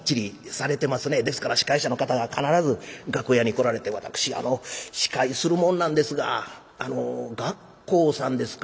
ですから司会者の方が必ず楽屋に来られて「私あの司会する者なんですがあの『がっこうさん』ですか？